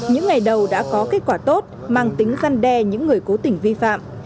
những ngày đầu đã có kết quả tốt mang tính gian đe những người cố tỉnh vi phạm